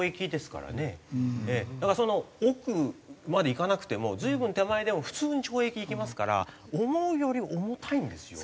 だから億までいかなくても随分手前でも普通に懲役いきますから思うより重たいんですよ。